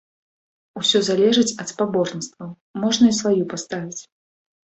Усё залежыць ад спаборніцтваў, можна і сваю паставіць.